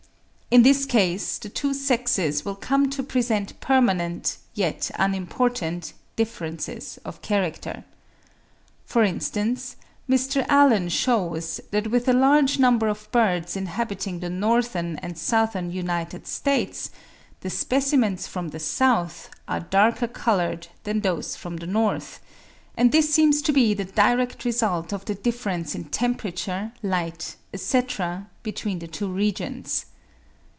In this case the two sexes will come to present permanent, yet unimportant, differences of character. For instance, Mr. Allen shews that with a large number of birds inhabiting the northern and southern United States, the specimens from the south are darker coloured than those from the north; and this seems to be the direct result of the difference in temperature, light, etc., between the two regions.